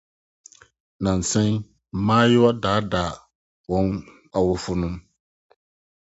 Nnansa yi, mmeawa daadaa wɔn awofo.